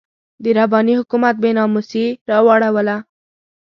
د رباني حکومت بې ناموسي راواړوله.